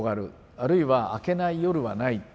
あるいは明けない夜はない。